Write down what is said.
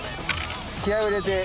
気合を入れて。